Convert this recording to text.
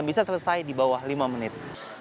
anda bisa mengantri dan bisa selesai di bawah lima menit